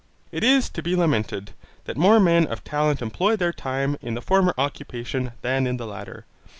It is to be lamented, that more men of talents employ their time in the former occupation than in the latter.